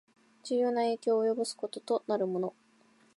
重要な影響を及ぼすこととなるもの